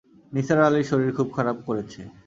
নিসার আলির শরীর খুব খারাপ করেছে।